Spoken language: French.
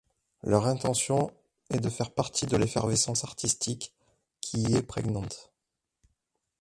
Leur intention est de faire partie de l'effervescence artistique qui y est prégnante.